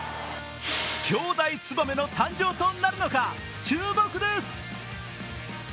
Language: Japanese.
兄弟ツバメの誕生となるのか注目です。